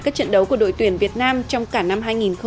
các trận đấu của đội tuyển việt nam trong cả năm hai nghìn một mươi chín